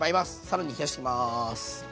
更に冷やします。